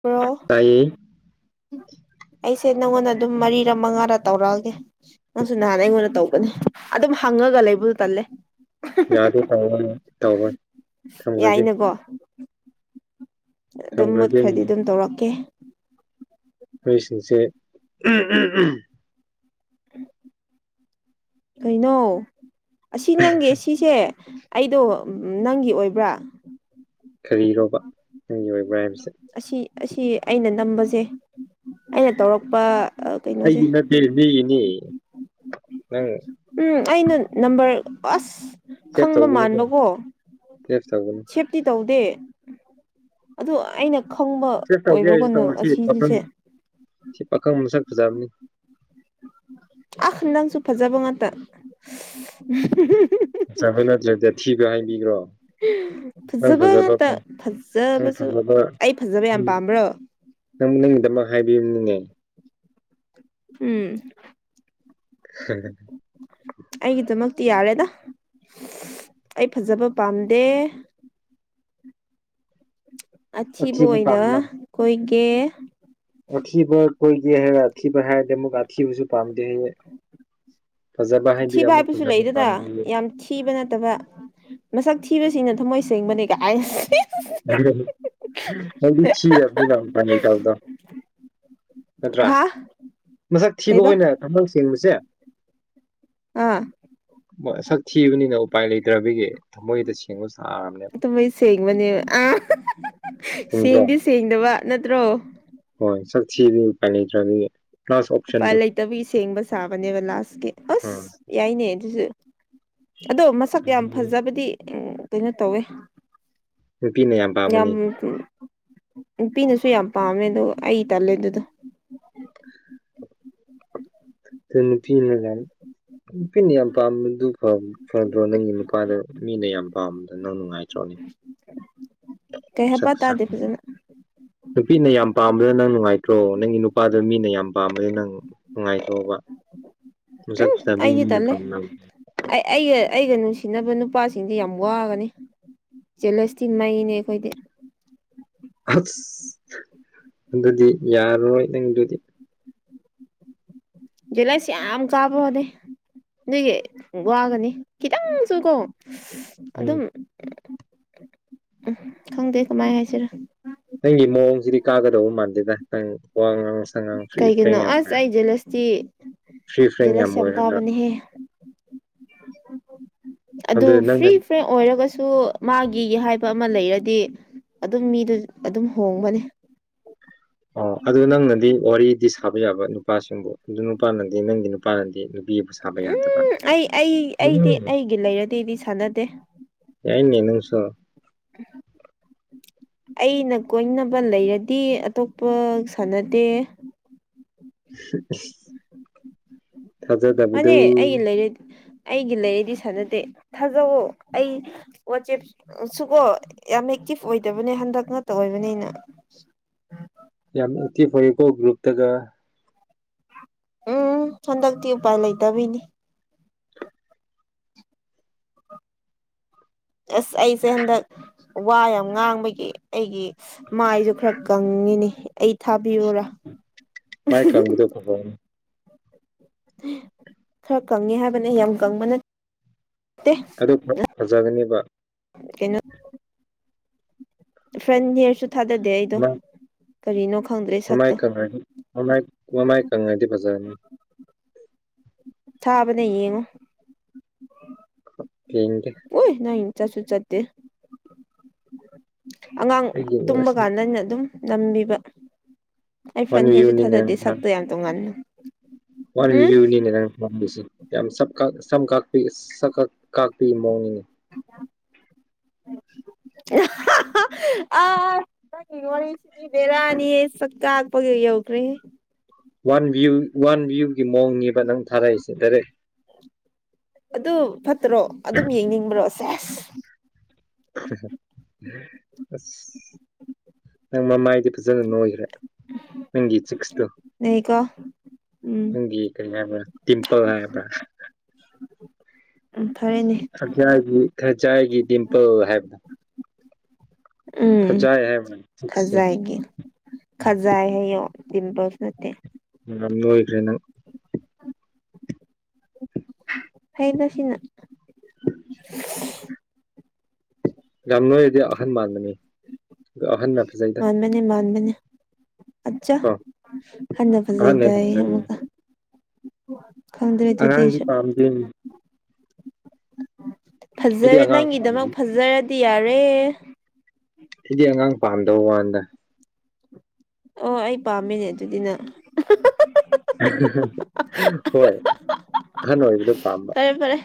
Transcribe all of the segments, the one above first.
pro ꯇꯥꯏꯌꯦ ꯑꯩꯁꯦ ꯅꯪꯉꯣꯟꯗ ꯑꯗꯨꯝ ꯃꯔꯤꯔꯥ ꯃꯉꯥꯔ ꯇꯧꯔꯛꯑꯒꯦ ꯅꯪꯁꯨ ꯅꯍꯥꯟ ꯑꯩꯉꯣꯟꯗ ꯇꯧꯕꯅꯤ ꯑꯗꯨꯝ ꯍꯪꯉꯒꯥ ꯂꯩꯕꯗꯨ ꯇꯜꯂꯦ ꯌꯥꯗꯦ ꯇꯧꯔꯣꯏꯅꯦ ꯊꯧꯔꯣꯏ ꯊꯝꯒꯔꯥꯒꯦ ꯌꯥꯏꯅꯀꯣ ꯑꯗꯨꯝ ꯊꯝꯈ꯭ꯔꯒꯦ ꯃꯨꯠꯈ꯭ꯔꯗꯤ ꯑꯗꯨꯝ ꯇꯧꯔꯛꯀꯦ ꯃꯤꯁꯤꯡꯁꯦ [unintelligible] ꯀꯩꯅꯣ ꯑꯁꯤ ꯅꯪꯒꯤ ꯑꯁꯤꯁꯦ ꯑꯩꯗꯣ ꯅꯪꯒꯤ ꯑꯣꯏꯕ꯭ꯔꯥ ꯀꯔꯤꯔꯣꯕ ꯅꯪꯒꯤ ꯑꯣꯏꯕ꯭ꯔꯥ ꯍꯥꯏꯕꯁꯦ ꯑꯁꯤ ꯑꯁꯤ ꯑꯩꯅ ꯅꯝꯕꯁꯦ ꯑꯩꯅ ꯇꯧꯔꯛꯄ ꯀꯩꯅꯣꯁꯦ ꯑꯩꯒꯤ ꯅꯠꯇꯦ ꯃꯤꯒꯤꯅꯦ ꯅꯪ ꯎꯝ ꯑꯩꯅ ꯅꯝꯕꯔ ꯑꯁ ꯁꯦꯞ ꯈꯪꯕ ꯇꯧꯒꯅꯨꯀꯣ ꯃꯥꯟꯕꯀꯣ ꯁꯦꯞ ꯇꯧꯒꯅꯨ ꯁꯦꯞ ꯇꯤ ꯇꯧꯗꯦ ꯑꯗꯨ ꯑꯩꯅ ꯈꯪꯕ ꯁꯦꯞ ꯇꯧꯒꯦ ꯍꯥꯏꯔꯁꯨ ꯑꯣꯏꯕꯒꯨꯝꯅ ꯇꯧꯔꯣ ꯁꯤ ꯑꯁꯤꯁꯦ ꯄꯥꯈꯪ ꯁꯤ ꯄꯥꯈꯪ ꯃꯁꯛ ꯐꯖꯕꯅꯤ ꯑꯥ ꯅꯪꯁꯨ ꯐꯖꯕ ꯉꯥꯇꯥ ꯐꯖꯕ ꯅꯠꯇ꯭ꯔꯗꯤ ꯑꯊꯤꯕ ꯍꯥꯏꯕꯤꯒ꯭ꯔꯣ ꯐꯖꯕ ꯉꯥꯛꯇ ꯅꯪ ꯐꯖꯕꯁꯨ ꯐꯖꯕ ꯑꯩ ꯐꯖꯕ ꯌꯥꯝ ꯄꯥꯝꯕ꯭ꯔꯣ ꯅꯪꯕꯨ ꯅꯪꯒꯤꯗꯥꯃꯛ ꯍꯥꯏꯕꯤꯕꯅꯤꯅꯦ ꯍꯝ [unintelligible] ꯑꯩꯒꯤꯗꯥꯃꯛꯇꯤ ꯌꯥꯔꯦꯗ ꯑꯩ ꯐꯖꯕ ꯄꯥꯝꯗꯦ ꯑꯊꯤꯕ ꯑꯣꯏꯅ ꯀꯣꯏꯒꯦ ꯑꯊꯤꯕ ꯀꯣꯏꯒꯦ ꯍꯥꯏꯔꯒ ꯑꯊꯤꯕ ꯍꯥꯏꯔꯗꯤ ꯑꯃꯨꯛꯀꯥ ꯑꯊꯤꯕꯁꯨ ꯄꯥꯝꯗꯦ ꯍꯥꯏꯌꯦ ꯐꯖꯕ ꯍꯥꯏꯕꯤꯔ ꯑꯊꯤꯕ ꯑꯃꯨꯛ ꯍꯥꯏꯕꯁꯨ ꯐꯖꯕ ꯂꯩꯗꯅ ꯄꯥꯝꯗꯦ ꯍꯥꯏꯌꯦ ꯌꯥꯝ ꯊꯤ ꯊꯤꯕ ꯅꯠꯇꯕ ꯃꯁꯛ ꯊꯤꯕꯁꯤꯡꯅ ꯊꯝꯃꯣꯏ ꯁꯦꯡꯕꯅꯦ ꯒꯥꯏꯅ ꯁꯤ ꯑꯩꯗꯤ ꯊꯤꯔꯗꯤ ꯌꯥꯝ [unintelligible] ꯅꯠꯇ꯭ꯔꯥ ꯍꯥ ꯃꯁꯛ ꯊꯤꯕ ꯀꯩꯕ ꯍꯣꯏꯅ ꯊꯝꯃꯣꯏ ꯁꯦꯡꯕꯁꯦ ꯑꯥ ꯃꯣꯏꯁꯛ ꯊꯤꯕꯅꯤꯅ ꯎꯄꯥꯏ ꯂꯩꯇ꯭ꯔꯕꯤꯒꯤ ꯊꯃꯣꯏꯗ ꯁꯦꯡꯕ ꯁꯥꯔꯕꯅꯦꯕ ꯊꯝꯃꯣꯏ ꯁꯦꯡꯕꯅꯦ ꯑꯥ ꯆꯨꯝꯗ꯭ꯔꯣ ꯁꯦꯡꯗꯤ ꯁꯦꯡꯗꯕ ꯅꯠꯇ꯭ꯔꯣ ꯍꯣꯏ ꯁꯛ ꯊꯤꯕꯒꯤ ꯎꯄꯥꯏ ꯂꯩꯇ꯭ꯔꯥꯕꯒꯤ ꯎꯄꯥꯏ ꯂꯩꯇꯕꯒꯤ ꯁꯦꯡꯕ ꯁꯥꯕꯅꯦꯕ ꯂꯥꯁꯀꯤ ꯑꯁ ꯎꯝ ꯌꯥꯏꯅꯦ ꯑꯗꯨꯁꯨ ꯑꯗꯣ ꯃꯁꯛ ꯌꯥꯝ ꯐꯖꯕꯗꯤ ꯎꯝ ꯀꯩꯅꯣ ꯇꯧꯋꯦ ꯅꯨꯄꯤꯅ ꯌꯥꯝ ꯄꯥꯝꯒꯅꯤ ꯅꯨꯄꯤꯅꯁꯨ ꯌꯥꯝ ꯄꯥꯝꯃꯦ ꯑꯗꯣ ꯑꯩ ꯇꯜꯂꯦ ꯑꯗꯨꯗꯣ ꯑꯗꯨ ꯅꯨꯄꯤꯅ ꯌꯥꯔꯤ ꯅꯨꯄꯤꯅ ꯌꯥꯝ ꯄꯥꯝꯕꯗꯨ ꯐꯥꯕꯅꯦ ꯐꯗ꯭ꯔꯣ ꯅꯪꯒꯤ ꯅꯨꯄꯥꯗꯣ ꯃꯤꯅ ꯌꯥꯝ ꯄꯥꯝꯕꯗꯣ ꯅꯪ ꯅꯨꯡꯉꯥꯏꯇ꯭ꯔꯣꯅꯦ [unintelligible] ꯀꯩ ꯍꯥꯏꯄꯥ ꯇꯥꯗꯦ ꯐꯖꯅ [unintelligible] ꯅꯨꯄꯤꯅ ꯌꯥꯝ ꯄꯥꯝꯕꯗ ꯅꯪ ꯅꯨꯡꯉꯥꯏꯇ꯭ꯔꯣ ꯅꯪꯒꯤ ꯅꯨꯄꯥꯗꯣ ꯃꯤꯅ ꯌꯥꯝ ꯄꯥꯝꯕꯗ ꯅꯪ ꯅꯨꯡꯉꯥꯏꯇ꯭ꯔꯣꯕ ꯃꯁꯛ ꯎꯝ ꯐꯖꯕꯤ ꯑꯩꯗꯤ ꯃꯤꯅ ꯇꯜꯂꯦ ꯄꯥꯝꯅꯕ ꯑꯩ ꯑꯩꯒ ꯑꯩꯒ ꯅꯨꯡꯁꯤꯅꯕ ꯅꯨꯄꯥꯁꯤꯡꯗꯤ ꯌꯥꯝ ꯋꯥꯒꯅꯤ ꯖꯦꯂꯁꯇꯤ ꯃꯩꯅꯦ ꯑꯩꯈꯣꯏꯗꯤ ꯑꯁ ꯑꯗꯨꯗꯤ ꯌꯥꯔꯔꯣꯏ ꯅꯪꯗꯨꯗꯤ ꯖꯦꯂꯁ ꯌꯥꯝ ꯀꯥꯕꯣꯗꯦ ꯑꯗꯨꯒꯤ ꯋꯥꯒꯅꯤ ꯈꯤꯇꯪꯁꯨꯀꯣ ꯎꯝ ꯑꯗꯨꯝ ꯎꯝ ꯈꯪꯗꯦ ꯀꯃꯥꯏ ꯍꯥꯏꯁꯤꯔ ꯅꯪꯒꯤ ꯃꯑꯣꯡꯁꯤꯗꯤ ꯀꯥꯒꯗꯧꯕ ꯃꯥꯟꯗꯦꯗ ꯅꯪ ꯋꯥ ꯉꯥꯡꯉꯁꯨ [unintelligible] ꯐ꯭ꯔꯤ ꯐ꯭ꯔꯦꯡ ꯀꯩꯒꯤꯅꯣ ꯌꯥꯝ ꯑꯁ ꯑꯣꯏꯋꯦ ꯑꯩ ꯖꯦꯂꯁꯇꯤ ꯐ꯭ꯔꯤ ꯐ꯭ꯔꯦꯡ ꯌꯥꯝ ꯑꯣꯏꯔꯒ [unintelligible] ꯑꯗꯨ ꯐ꯭ꯔꯤ ꯐ꯭ꯔꯦꯡ ꯑꯣꯏꯔꯒꯁꯨ ꯃꯥꯒꯤ ꯍꯥꯏꯕ ꯑꯃ ꯂꯩꯔꯗꯤ ꯑꯗꯨꯝ ꯃꯤꯗꯨ ꯑꯗꯨꯝ ꯍꯣꯡꯕꯅꯦ ꯑꯣ ꯑꯗꯨ ꯅꯪꯅꯗꯤ ꯋꯥꯔꯤꯗꯤ ꯁꯥꯕ ꯌꯥꯕ ꯅꯨꯄꯥꯁꯤꯡꯕꯨ ꯑꯗꯨ ꯅꯨꯄꯥꯅꯗꯤ ꯅꯪꯒꯤ ꯅꯨꯞ ꯄꯥꯅꯗꯤ ꯅꯨꯄꯤꯕꯨ ꯁꯥꯕ ꯌꯥꯗꯕꯥ ꯎꯝ ꯑꯩ ꯑꯩ ꯑꯩꯗꯤ ꯎꯝ ꯑꯩꯒꯤ ꯂꯩꯔꯗꯤꯗꯤ ꯁꯥꯟꯅꯗꯦ ꯌꯥꯏꯌꯦꯅꯦ ꯅꯪꯁꯨ [unintelligible] ꯑꯩꯅ ꯀꯣꯏꯅꯕ ꯂꯩꯔꯗꯤ ꯑꯇꯣꯞꯄ ꯁꯥꯟꯅꯗꯦ ꯁꯤ ꯏꯁ ꯊꯥꯖꯥꯗꯕꯗꯣ ꯃꯥꯅꯦ [unintelligible] ꯑꯩꯒꯤ ꯂꯩꯔꯗꯤ ꯁꯅꯥꯗꯦ ꯊꯥꯖꯧꯋꯣ ꯑꯩ ꯋꯥꯆꯦꯞ ꯁꯨꯀꯣ ꯌꯥꯝ ꯑꯦꯛꯇꯤꯚ ꯑꯣꯏꯗꯕꯅꯦ ꯍꯟꯗꯛ ꯉꯥꯇ ꯑꯣꯏꯕꯅꯤꯅ ꯌꯥꯝ ꯑꯦꯛꯇꯤꯞ ꯑꯣꯏꯌꯦꯀꯣ ꯒ꯭ꯔꯨꯞꯇꯒ ꯎꯝ ꯍꯟꯗꯛꯇꯤ ꯎꯄꯥꯏ ꯂꯩꯇꯕꯤꯅꯤ ꯑꯁ ꯑꯩꯁꯦ ꯍꯟꯗꯛ ꯋꯥ ꯌꯥꯝ ꯉꯥꯡꯕꯒꯤ ꯑꯩꯒꯤ ꯃꯥꯏꯖꯨ ꯈꯔ ꯀꯪꯉꯤꯅꯤ ꯑꯩ ꯊꯥꯕꯤꯌꯨꯔꯥ ꯃꯥꯏ ꯀꯪꯕꯗꯣ [unintelligible] ꯈꯔ ꯀꯪꯉꯦ ꯍꯥꯏꯕꯅꯦ ꯌꯥꯝ ꯀꯪꯕ ꯅꯠ ꯑꯗꯨ ꯐꯠ ꯐꯖꯒꯅꯦꯕ ꯀꯩꯅꯣ ꯐ꯭ꯔꯦꯟꯅꯦꯁꯨ ꯊꯥꯗꯗꯦ ꯑꯩꯗꯣ ꯃꯥ ꯀꯔꯤꯅꯣ ꯈꯪꯗ꯭ꯔꯦ ꯃꯃꯥꯏ ꯁꯛꯇꯣ ꯀꯪꯔꯗꯤ ꯃꯃꯥꯏ ꯃꯃꯥꯏ ꯀꯪꯉꯥꯗꯤ ꯐꯖꯔꯅꯤ ꯊꯥꯕꯅꯦ ꯌꯦꯡꯉꯨ ꯌꯦꯡꯒꯦ ꯑꯨꯏ ꯅꯪ ꯆꯠꯁꯨ ꯆꯠꯇꯦ ꯑꯉꯥꯡ ꯑꯩꯒꯤ ꯇꯨꯝꯕ ꯀꯥꯟꯗ ꯑꯩꯅ ꯑꯗꯨꯝ ꯅꯝꯕꯤꯕ ꯑꯩ ꯐ꯭ꯔꯟ ꯍꯦꯌꯔꯁꯨ ꯋꯥꯟꯌꯨꯅꯤꯅꯦ ꯊꯥꯗꯗꯦ ꯅꯪ ꯁꯛꯇꯣ ꯌꯥꯝ ꯇꯣꯡꯉꯥꯟꯅ ꯎꯝ ꯋꯥꯟꯚ꯭ꯌꯨꯅꯤꯅꯦ ꯅꯪ ꯄꯥꯝꯃꯤꯁꯦ ꯌꯥꯝ ꯁꯛꯀꯥꯛ ꯁꯝ ꯀꯥꯛꯄꯤ ꯏꯁ ꯁꯛꯀꯛ ꯀꯥꯛꯄꯤ ꯃꯑꯣꯡꯅꯤꯅꯦ [unintelligible] ꯑ ꯅꯪꯒꯤ ꯋꯥꯔꯤꯁꯤꯗꯤ ꯕꯦꯔꯥꯅꯤꯌꯦ ꯁꯛ ꯀꯥꯛꯄꯒ ꯌꯧꯈ꯭ꯔꯦꯍꯦ ꯋꯥꯟ ꯚꯤꯌꯨ ꯋꯥꯟ ꯚꯤꯌꯨꯒꯤ ꯃꯑꯣꯡꯅꯤꯕ ꯅꯪ ꯊꯥꯔꯛꯏꯁꯦ ꯗꯥꯏꯔꯦꯛ ꯑꯗꯨ ꯐꯠꯇ꯭ꯔꯣ ꯑꯗꯨꯝ ꯌꯦꯡꯅꯤꯡꯕ꯭ꯔꯣ ꯁꯦꯁ ꯑꯁ ꯅꯪ ꯃꯃꯥꯏꯗꯤ ꯐꯖꯅ ꯅꯣꯏꯒ꯭ꯔꯦ ꯅꯪꯒꯤ ꯆꯤꯛꯁꯇꯣ ꯅꯩꯀꯣ ꯎꯝ ꯅꯪꯒꯤ ꯀꯔꯤ ꯍꯥꯏꯕꯔꯥ ꯇꯤꯝꯄꯜ ꯍꯥꯏꯕꯔꯥ ꯎꯝ ꯐꯔꯦꯅꯦ ꯈꯖꯥꯏꯒꯤ ꯈꯖꯥꯏꯒꯤ ꯗꯤꯝꯄꯜ ꯍꯥꯏꯕꯗꯣ ꯎꯝ ꯈꯖꯥꯏ ꯍꯥꯏꯕ꯭ꯔꯥ ꯆꯤꯛꯁꯁꯦ ꯈꯖꯥꯏꯒꯤ ꯈꯖꯥꯏ ꯍꯥꯏꯌꯣ ꯇꯤꯝꯄꯜꯁ ꯅꯠꯇꯦ ꯎꯝ ꯅꯣꯏꯈ꯭ꯔꯦ ꯅꯪ ꯐꯩꯗ ꯁꯤꯅ [inaudible] ꯌꯥꯝ ꯅꯣꯏꯔꯗꯤ ꯑꯍꯟ ꯃꯥꯟꯕꯅꯤ ꯑꯍꯟꯅ ꯐꯖꯩꯗ ꯅ ꯃꯥꯟꯕꯅꯦ ꯑꯠꯆꯥ ꯀꯣ ꯑꯍꯟꯅ ꯍꯦꯟꯅ ꯐꯖꯩꯒꯥꯢꯅ ꯐꯖꯩꯌꯦ ꯑꯃꯨꯛꯀ ꯈꯪꯗ꯭ꯔꯦ ꯑꯗꯨꯗꯤ ꯑꯉꯥꯡꯗꯤ ꯑꯩꯁꯨ ꯄꯥꯝꯗꯦ ꯐꯖꯔꯦ ꯑꯉꯥꯡ ꯄꯥꯝꯗꯦ ꯅꯪꯒꯤꯗꯃꯛ ꯐꯖꯔꯗꯤ ꯌꯥꯔꯦ ꯁꯤꯗꯤ ꯑꯉꯥꯡ ꯄꯥꯝꯗ ꯋꯥꯥꯟꯗ ꯑꯣ ꯑꯩ ꯄꯥꯝꯃꯤꯅꯦ ꯑꯗꯨꯗꯤꯅ ꯍꯣꯏ ꯑꯍꯟ ꯑꯣꯏꯕꯗꯣ ꯄꯥꯝꯕ ꯐꯔꯦ ꯐꯔꯦ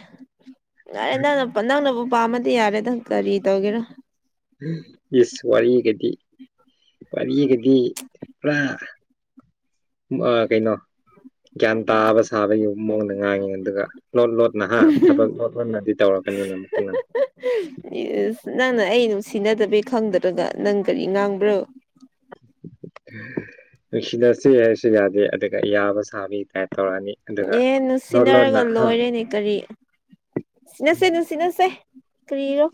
ꯌꯥꯔꯦꯗ ꯅꯪꯅ ꯅꯪꯅꯕꯨ ꯄꯥꯝꯃꯗꯤ ꯌꯥꯔꯦ ꯅꯪ ꯀꯔꯤ ꯇꯧꯒꯦꯔꯥ ꯏꯁ ꯋꯥꯔꯤꯒꯗꯤ ꯋꯥꯔꯤꯒꯗꯤ ꯄꯨꯔꯥ ꯑꯥ ꯀꯩꯅꯣ ꯒ꯭ꯌꯥꯟ ꯇꯥꯕ ꯁꯥꯕꯒꯤ ꯃꯑꯣꯡꯗ ꯉꯥꯡꯉꯤ ꯑꯗꯨꯒ ꯂꯣꯠ ꯂꯣꯠ ꯅꯍꯥ ꯊꯕꯛ ꯂꯣꯟꯅꯗꯤ ꯇꯧꯔꯛꯀꯅꯤ ꯅꯪꯅ ꯑꯩ ꯅꯨꯡꯁꯤꯅꯗꯕꯤ ꯈꯪꯗ꯭ꯔꯒ ꯅꯪ ꯀꯔꯤ ꯉꯥꯡꯕ꯭ꯔꯣ ꯅꯨꯡꯁꯤꯅꯁꯦ ꯍꯥꯏꯔꯁꯨ ꯌꯥꯗꯦ ꯑꯗꯨꯒ ꯌꯥꯕꯩ ꯁꯥꯕꯤ ꯇꯥꯢꯞ ꯇꯧꯔꯗꯤ ꯑꯦ ꯅꯨꯡꯁꯤꯟꯅꯔꯒ ꯂꯣꯏꯔꯦꯅꯦ ꯀꯔꯤ ꯁꯤꯟꯅꯁꯦ [inaudible] ꯅꯨꯡ ꯁꯤꯟꯅꯁꯦ ꯀꯔꯤꯔꯣ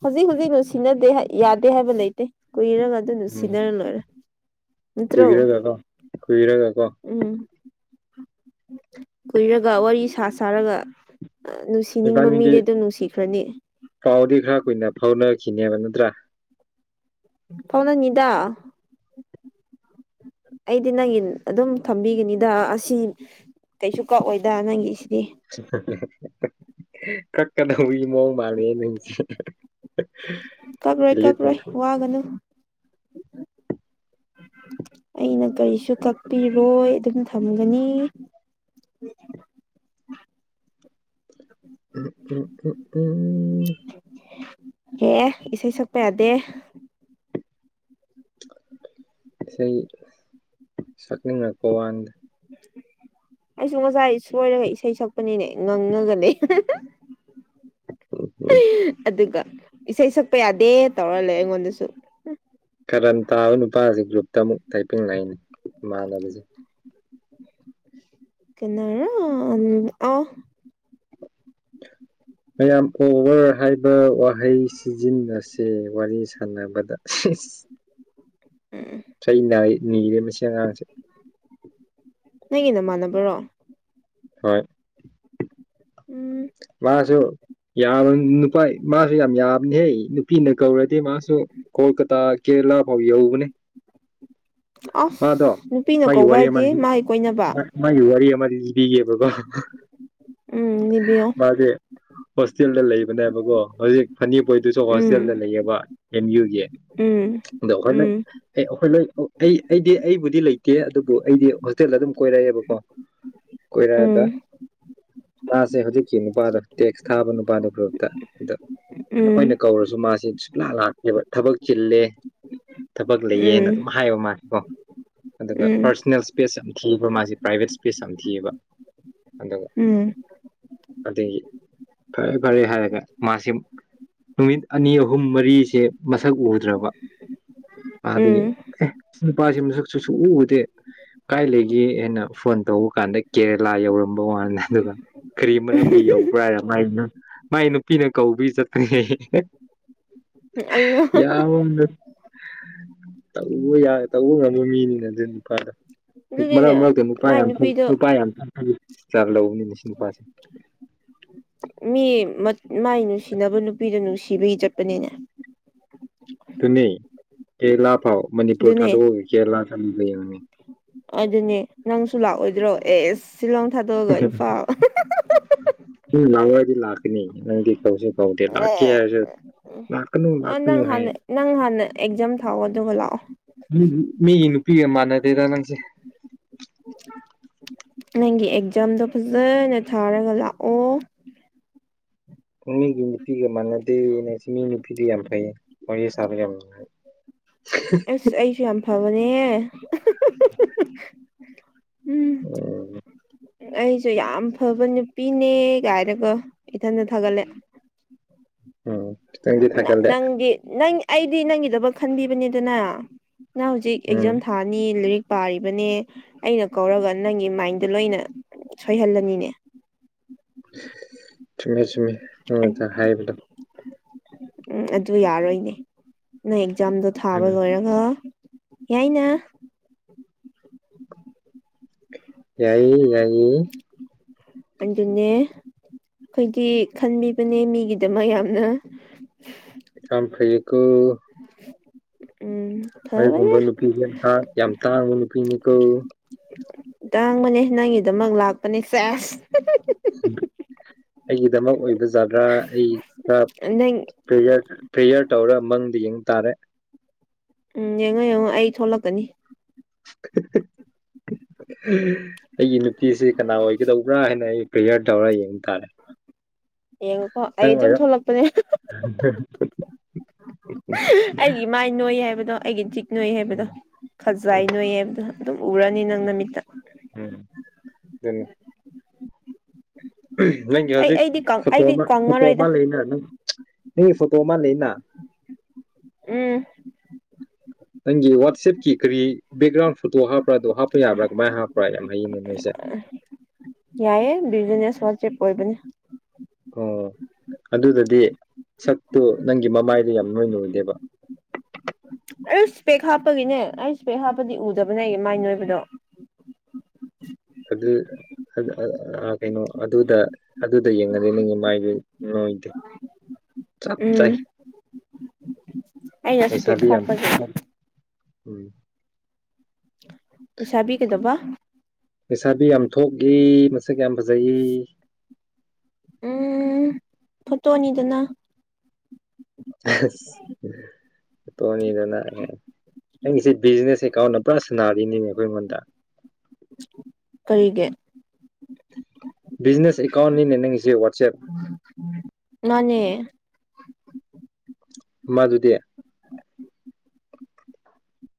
ꯍꯧꯖꯤꯛ ꯍꯧꯖꯤꯛꯅꯅꯨꯡ ꯁꯤꯟꯅꯗꯦ ꯍꯥꯏ ꯌꯥꯗꯦ ꯍꯥꯏꯕ ꯂꯩꯇꯦ ꯀꯨꯏꯔꯒ ꯑꯗꯨꯅ ꯁꯤꯟꯅꯔ ꯂꯣꯏꯔꯦ ꯅꯠꯇ꯭ꯔꯣ ꯈꯨꯨꯏꯔꯒꯀꯣ ꯈꯨꯨꯏꯔꯒꯀꯣ ꯎꯝ ꯀꯨꯏꯔꯒ ꯋꯥꯔꯤ ꯁꯥ ꯁꯥꯔꯒ ꯅꯨꯡꯁꯤ ꯊꯤꯅꯤꯡꯕ ꯃꯤꯗꯤ ꯏꯕꯥꯅꯤꯗꯤ ꯑꯗꯨꯝ ꯅꯨꯡꯁꯤꯈ꯭ꯔꯅꯤ ꯄꯥꯎꯗꯤ ꯈꯔ ꯀꯨꯏꯅ ꯐꯥꯎꯅꯈꯤꯅꯦꯕ ꯅꯠꯇ꯭ꯔꯥ ꯐꯥꯎꯅꯅꯤꯗꯥ ꯑꯩꯗꯤ ꯅꯪꯒꯤ ꯑꯗꯨꯝ ꯊꯝꯕꯤꯒꯅꯤꯗ ꯑꯁꯤ ꯀꯩꯁꯨ ꯀꯛꯑꯣꯏꯗ ꯅꯪꯒꯤꯁꯤꯗꯤ [inaudible] ꯀꯥꯛꯒꯧꯕꯒꯤ ꯃꯑꯣꯡ ꯃꯥꯜꯂꯦꯍꯦ ꯅꯪꯒꯤꯁꯤꯗꯤ ꯗꯤꯂꯦꯠ ꯋꯥꯒꯅꯨ ꯎ [unintelligible] ꯑꯩꯅ ꯀꯔꯤꯁꯨ ꯀꯛꯄꯤꯔꯣꯏ ꯑꯗꯨꯝ ꯊꯝꯒꯅꯤ ꯑꯗꯨ ꯀ ꯇꯨꯡ [inaudible] ꯑꯦ ꯏꯁꯩ ꯁꯛꯄ ꯌꯥꯗꯦ ꯏꯁꯩ ꯁꯛꯅꯤꯡꯉꯛꯄ ꯋꯥꯥꯅꯤꯗ ꯑꯩꯁꯨ ꯉꯁꯥꯏ ꯁꯣꯏꯔꯒ ꯏꯁꯩ ꯁꯛꯄꯅꯤꯅꯦ ꯉꯥꯡꯉꯒ ꯂꯩꯕꯅꯦ ꯑꯗꯨꯒ ꯏꯁꯩ ꯁꯛꯄ ꯌꯥꯗꯦ ꯇꯧꯔ ꯂꯩ ꯑꯩꯉꯣꯟꯗꯁꯨ ꯀꯔꯥꯟ ꯇꯥꯕ ꯅꯨꯄꯥꯁꯤꯁꯨ ꯒ꯭ꯔꯨꯞꯇ ꯑꯃꯨꯛ ꯇꯥꯏꯄꯤꯡ ꯂꯩꯥꯏꯅꯤ ꯏꯃꯥꯟꯅꯕꯁꯦ ꯀꯅꯥꯔ ꯑꯣ ꯃꯌꯥꯝ ꯑꯣꯕꯔ ꯍꯥꯏꯕ ꯋꯥꯍꯩ ꯁꯤꯖꯤꯟꯅꯁꯦ ꯋꯥꯔꯤ ꯁꯥꯟꯅꯕꯗ ꯎꯝ ꯆꯩ ꯅꯥꯢꯌꯦ ꯅꯥꯒꯒꯅꯨ ꯁꯤ ꯑꯉꯥꯡꯁꯦ ꯅꯪꯒꯤ ꯅꯃꯥꯟꯅꯕꯔꯣ ꯍꯣꯏ ꯎꯝ ꯃꯥꯁꯨ ꯌꯥꯕ ꯅꯨꯄꯥ ꯃꯥꯁꯨ ꯌꯥꯝ ꯌꯥꯕꯅꯤꯍꯩ ꯅꯨꯄꯤꯅ ꯀꯧꯔꯗꯤ ꯃꯥꯁꯨ ꯀꯣꯜꯀꯇꯥ ꯀꯦꯂ ꯐꯥꯎ ꯌꯥꯎꯕꯅꯤꯍꯦ ꯑꯁ ꯅꯨꯄꯤꯅ ꯃꯥꯒꯤ ꯀꯧꯕ ꯋꯥꯔꯤ ꯑꯃ ꯍꯥꯏꯗꯤ ꯃꯥꯒꯤ ꯀꯣꯏꯅꯕ ꯃꯥꯒꯤ ꯋꯥꯔꯤ ꯑꯃꯗꯤ ꯂꯤꯒꯦꯕꯥꯒꯣ ꯎꯝ ꯅꯤꯕꯤꯌꯣ ꯃꯥꯗꯤ ꯍꯣꯁꯇꯦꯜꯗ ꯂꯩꯕꯅꯦꯕꯀꯣ ꯍꯧꯖꯤꯛ ꯐꯅꯤꯄꯣꯏꯗꯨꯁꯨ ꯍꯣꯁꯇꯦꯜꯗ ꯎꯝ ꯂꯩꯌꯦꯕ ꯑꯦꯝ ꯌꯨꯒꯤ ꯎꯝ ꯗ ꯑꯣꯐꯔ ꯂꯩ ꯎꯝ ꯑꯦ ꯑꯈꯣꯏ ꯂꯣꯏ ꯀꯩ ꯑꯩꯗꯤ ꯑꯩꯕꯨꯗꯤ ꯂꯩꯇꯦ ꯑꯗꯨꯕꯨ ꯑꯩꯗꯤ ꯍꯣꯁꯇꯦꯜꯗ ꯑꯗꯨꯝ ꯀꯣꯏꯔꯛꯑꯦꯕꯀꯣ ꯀꯣꯏꯔꯑꯒ ꯎꯝ ꯃꯥꯁꯦ ꯍꯧꯖꯤꯛ ꯀꯤ ꯅꯨꯄꯥꯗꯨ ꯇꯦꯛꯁ ꯊꯥꯕ ꯅꯨꯄꯥꯗꯨ ꯒ꯭ꯔꯨꯞꯇ ꯑꯗ ꯎꯝ ꯑꯈꯣꯏꯅ ꯀꯧꯔꯁꯨ ꯃꯥꯁꯤ ꯁꯨꯡꯂꯥꯛ ꯂꯥꯛ ꯌꯦꯕ ꯊꯕꯛ ꯆꯤꯜꯂꯦ ꯊꯕꯛ ꯂꯩꯌꯦꯅ ꯎꯝ ꯑꯗꯨꯝ ꯍꯥꯏꯌꯦ ꯃꯥꯜꯂꯤꯀꯣ ꯑꯗꯨꯒ ꯎꯝ ꯄꯥꯔꯁꯅꯦꯜ ꯏꯁꯄꯦꯁ ꯌꯥꯝ ꯊꯤꯕ ꯃꯥꯁꯤ ꯄ꯭ꯔꯥꯏꯚꯦꯠ ꯏꯁꯄꯦꯁ ꯌꯥꯝ ꯊꯤꯌꯦꯕ ꯑꯗꯨꯒ ꯎꯝ ꯑꯗꯒꯤ ꯐꯔꯦ ꯐꯔꯦ ꯍꯥꯏꯔꯒ ꯃꯥꯁꯤ ꯅꯨꯃꯤꯠ ꯑꯅꯤ ꯑꯍꯨꯝ ꯃꯔꯤꯁꯦ ꯃꯁꯛ ꯎꯗ꯭ꯔꯕ ꯑꯗꯒꯤ ꯎꯝ ꯑꯦ ꯅꯨꯄꯥꯁꯦ ꯃꯁꯛꯁꯨꯨ ꯁꯨꯎ ꯎꯗꯦ ꯀꯥꯏ ꯂꯩꯒꯦ ꯑꯩꯅꯥ ꯐꯔꯣꯟ ꯇꯧꯕ ꯀꯥꯟꯗ ꯀꯦꯔꯦꯂꯥ ꯌꯧꯔꯝꯕ ꯋꯥꯅꯤꯗꯥ ꯗꯨꯒꯥ ꯀꯔꯤ ꯃꯔꯝꯒꯤ ꯌꯧꯕ꯭ꯔꯥ ꯍꯥꯏꯔꯥ ꯃꯥꯒꯤꯅ ꯃꯥꯒꯤ ꯅꯨꯄꯤꯅ ꯀꯧꯕꯤ ꯆꯠꯄꯥꯥꯅꯦꯍꯦ [inaudible] ꯌꯥꯎꯅ ꯇꯧꯕ ꯌꯥ ꯇꯧꯕ ꯉꯝꯕ ꯃꯤꯅꯤꯅꯦ ꯑꯗꯨ ꯅꯨꯄꯥꯗꯣ ꯃꯔꯛ ꯑꯗꯨꯅꯦ ꯃꯔꯛꯇ ꯅꯨꯄꯥ ꯃꯥꯏ ꯌꯥꯝ ꯊꯣꯛ ꯅꯨꯄꯤꯗꯣ ꯅꯨꯄꯥ ꯌꯥꯝ [unintelligible] ꯌꯥꯝ ꯂꯧꯕꯅꯤꯅꯦ ꯁꯤ ꯅꯨꯄꯥꯁꯦ ꯃꯤ ꯃꯠ ꯃꯥꯏ ꯅꯨꯡꯁꯤꯅꯕ ꯅꯨꯄꯤꯗꯨ ꯅꯨꯡꯁꯤꯕꯒꯤ ꯆꯠꯄꯅꯤꯅꯦ ꯇꯨꯅꯦ ꯀꯦꯔꯦꯂꯥ ꯐꯥꯎ ꯃꯅꯤꯄꯨꯔ ꯑꯗꯨꯅꯦ ꯊꯥꯗꯣꯛꯑꯒ ꯀꯦꯔꯦꯂꯥ ꯆꯪꯕꯥ ꯌꯥꯢ ꯑꯗꯨꯅꯦ ꯅꯪꯁꯨ ꯂꯥꯛꯑꯣꯏꯗ꯭ꯔꯣ ꯑꯦꯁ ꯁꯤꯜꯂꯣꯡ ꯊꯥꯗꯣꯛꯑꯒ ꯏꯝꯐꯥꯜ ꯅꯪꯅ ꯂꯥꯛꯑꯣꯍꯥꯏꯗꯤ ꯂꯥꯛꯀꯅꯤ ꯅꯪꯗꯤ ꯍꯧꯖꯤꯛ ꯑꯦ ꯑ ꯂꯥꯛꯀꯅꯨ ꯅꯪ ꯍꯥꯏ ꯍꯥꯟꯅ ꯅꯪ ꯍꯥꯟꯅ ꯑꯦꯛꯖꯥꯝ ꯊꯥꯎꯑꯣ ꯑꯗꯨꯒ ꯂꯥꯛꯑꯣ ꯃꯤꯒꯤ ꯅꯨꯄꯤꯒ ꯃꯥꯟꯅꯗꯦꯗ ꯅꯪꯁꯦ ꯅꯪꯒꯤ ꯑꯦꯛꯖꯥꯝꯗꯣ ꯐꯖꯅ ꯊꯥꯔꯒ ꯂꯥꯛꯑꯣ ꯃꯤꯒꯤ ꯅꯨꯄꯤꯒ ꯃꯥꯟꯅꯗꯦꯌꯦ ꯅꯪꯁꯦ ꯃꯤ ꯅꯨꯄꯤꯗꯤ ꯌꯥꯝ ꯐꯩ ꯋꯥꯔꯤ ꯁꯥꯕ ꯌꯥꯝ ꯅꯨꯡꯉꯥꯏ ꯑꯦꯁ ꯑꯩꯁꯨ ꯌꯥꯝ ꯐꯕꯅꯦꯍꯦ ꯎꯝ ꯑꯥ ꯑꯩꯁꯨ ꯌꯥꯝ ꯐꯕ ꯅꯨꯄꯤꯅꯦ ꯀꯥꯏꯅꯥꯀꯣ ꯏꯊꯟꯗ ꯊꯥꯒꯠꯂꯦ ꯎꯝ ꯈꯤꯇꯪꯗꯤ ꯊꯥꯒꯠꯂꯦ ꯅꯪꯗꯤ ꯅꯪ ꯑꯩꯗꯤ ꯅꯪꯒꯤꯗꯕꯛ ꯈꯟꯕꯤꯕꯅꯤꯗꯅ ꯅꯪ ꯍꯧꯖꯤꯛ ꯑꯦꯛꯖꯥꯝ ꯎꯝ ꯊꯥ ꯊꯥꯅꯤ ꯂꯩꯔꯤꯛ ꯄꯥꯔꯤꯕꯅꯦ ꯑꯩꯅ ꯀꯧꯔꯒ ꯅꯪꯒꯤ ꯃꯥꯏꯟꯗ ꯂꯣꯏꯅ ꯁꯣꯏꯍꯜꯂꯅꯤꯅꯦ ꯆꯨꯝꯃꯦ ꯆꯨꯝꯃꯦ ꯅꯪ ꯑ- ꯉꯟꯊꯥ ꯍꯥꯏꯕꯗꯣ ꯎꯝ ꯑꯗꯨ ꯌꯥꯔꯣꯏꯅꯦ ꯅꯣꯏ ꯑꯦꯛꯖꯥꯝꯗꯣ ꯊꯥꯕ ꯎꯝ ꯂꯣꯏꯔ ꯉꯥ ꯌꯥꯏꯅ ꯌꯥꯏꯌꯦ ꯌꯥꯏꯌꯦ ꯑꯗꯨꯅꯦ ꯈꯣꯏꯗꯤ ꯈꯟꯕꯤꯕꯅꯦ ꯃꯤꯒꯤꯗꯃꯛ ꯌꯥꯝꯅ ꯊꯥꯝꯐꯩꯌꯦꯀꯣ ꯎꯝ ꯑꯩꯒꯨꯝꯕ ꯐꯕꯅꯦ ꯅꯨꯄꯤꯁꯦ ꯊꯥꯛ ꯌꯥꯝ ꯇꯥꯡꯕ ꯅꯨꯄꯤꯅꯤ ꯀꯣ ꯇꯥꯡꯕꯅꯦ ꯅꯪꯒꯤꯗꯃꯛ ꯂꯥꯛꯄꯅꯦ ꯁꯦꯁ ꯑꯩꯒꯤꯗꯃꯛ ꯑꯣꯏꯕ ꯖꯥꯠꯔꯥ ꯑꯩ ꯈꯔ ꯅꯪ ꯄ꯭ꯔꯦꯌꯔ ꯄ꯭ꯔꯦꯌꯔ ꯇꯧꯔ ꯃꯪꯗ ꯌꯦꯡꯕ ꯇꯥꯔꯦ ꯎꯝ ꯌꯦꯡꯉꯣ ꯌꯦꯡꯉꯣ ꯑꯩ ꯊꯣꯛꯂꯛꯀꯅꯤ ꯑꯩꯒꯤ ꯅꯨꯄꯤꯁꯤ ꯀꯅꯥ ꯑꯣꯏꯒꯗꯧꯕ꯭ꯔꯥ ꯍꯥꯏꯅ ꯑꯩ ꯄꯔꯦꯌꯔ ꯇꯧꯔꯥ ꯌꯦꯡ ꯇꯥꯔꯦ ꯌꯦꯡꯉꯨꯀꯣ ꯑꯩ ꯅꯪ ꯑꯗꯨꯝ ꯑꯣꯏꯔꯣ ꯊꯣꯛꯂꯛꯄꯅꯦ ꯑꯩꯒꯤ ꯏꯃꯥꯏ ꯅꯣꯏ ꯍꯥꯏꯕꯗꯣ ꯑꯩꯒꯤ ꯆꯤꯛ ꯅꯣꯏ ꯍꯥꯏꯕꯗꯣ ꯈꯖꯥꯏ ꯎꯝ ꯅꯣꯏ ꯍꯥꯏꯕꯗꯣ ꯑꯗꯨꯝ ꯎꯔꯅꯤ ꯅꯪ ꯅꯃꯤꯠꯇ ꯎꯝ ꯗꯨꯅꯤ ꯅꯪꯒꯤ ꯑꯩ ꯍꯧꯖꯤꯛ ꯑꯩꯗꯤ ꯐꯣꯇꯣ ꯑꯩꯗꯤ ꯑꯃ ꯐꯣꯇꯣ ꯀꯪꯉꯔꯣꯏꯗ ꯑꯃ ꯂꯩꯅ ꯅꯪ ꯅꯪꯒꯤ ꯐꯣꯇꯣ ꯑꯃ ꯂꯩꯅ ꯎꯝ ꯅꯪꯒꯤ ꯋꯥꯠꯆꯦꯞꯀꯤ ꯀꯔꯤ ꯕꯦꯛꯒ꯭ꯔꯥꯎꯟ ꯐꯣꯇꯣ ꯍꯥꯞꯄ꯭ꯔꯥ ꯑꯗꯣ ꯍꯥꯞꯄ ꯌꯥꯕ꯭ꯔꯥ ꯀꯃꯥꯏ ꯍꯥꯞꯄ꯭ꯔꯥ ꯌꯥꯝ ꯍꯩꯌꯦꯅꯦ ꯅꯣꯏꯁꯦ ꯌꯥꯏꯌꯦ ꯕꯤꯖꯤꯅꯦꯁ ꯋꯥꯆꯦꯞ ꯑꯣꯏꯕꯅꯦ ꯑꯣ ꯑꯗꯨꯗꯗꯤ ꯁꯛꯇꯨ ꯅꯪꯒꯤ ꯃꯃꯥꯏꯗꯨ ꯌꯥꯝ ꯅꯣꯏꯅ ꯎꯗꯦꯕꯥ ꯑꯩ ꯏꯁꯄꯦꯛ ꯍꯥꯞꯄꯒꯤꯅꯦ ꯑꯩ ꯏꯁꯄꯦꯛ ꯍꯥꯞꯄꯗꯤ ꯎꯗꯕꯅꯦ ꯑꯩꯒꯤ ꯃꯥꯏ ꯅꯣꯏꯕꯗꯣ ꯑꯗꯨ [unintelligible] ꯀꯩꯅꯣ ꯑꯗꯨꯗ ꯑꯗꯨꯗ ꯌꯦꯡꯉꯗꯤ ꯅꯪꯒꯤ ꯃꯥꯏꯗꯨ ꯅꯣꯏꯗꯦ ꯆꯞ ꯆꯥꯏ ꯎꯝ ꯑꯩꯅ ꯏꯁꯄꯦꯛ ꯂꯩꯁꯥꯕꯤ ꯌꯥꯝ ꯍꯥꯞꯄꯒꯤ ꯎꯝ ꯂꯩꯁꯥꯕꯤ ꯀꯩꯗꯧꯕ ꯂꯩꯩꯁꯥꯕꯤ ꯌꯥꯝ ꯊꯣꯛꯒꯤ ꯃꯁꯛ ꯌꯥꯝ ꯐꯖꯩ ꯎꯝ ꯐꯣꯇꯣꯅꯤꯗꯅ ꯑꯁ ꯐꯣꯇꯣꯅꯤꯗꯅ [unintelligible] ꯅꯪꯒꯤꯁꯦ ꯕꯤꯖꯤꯅꯦꯁ ꯑꯦꯀꯥꯎꯟ ꯄꯨꯔꯥ ꯁꯅꯥꯔꯤꯅꯤꯅꯦ ꯑꯩꯈꯣꯏꯉꯣꯟꯗ ꯀꯔꯤꯒꯤ ꯕꯤꯖꯤꯅꯦꯁ ꯑꯦꯀꯥꯎꯟꯅꯤꯅꯦ ꯅꯪꯒꯤꯁꯦ ꯋꯥꯠꯆꯦꯞ [unintelligible] ꯃꯥꯅꯦ ꯃꯗꯨꯗꯤ